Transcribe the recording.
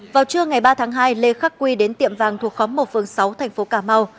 vào trưa ngày ba tháng hai lê khắc quy đến tiệm vàng thuộc khóm một phường sáu thành phố cà mau